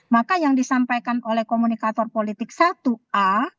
maka yang disampaikan oleh komunikator politik satu a